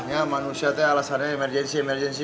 ah ya manusia tuh alasannya emergency emergency